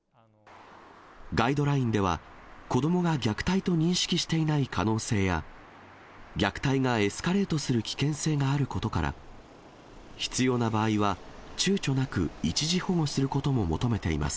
ガイドラインでは、子どもが虐待と認識していない可能性や、虐待がエスカレートする危険性があることから、必要な場合は、ちゅうちょなく一時保護することも求めています。